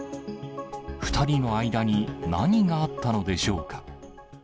２人の間に何があったのでしょうか。